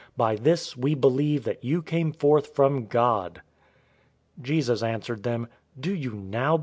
By this we believe that you came forth from God." 016:031 Jesus answered them, "Do you now believe?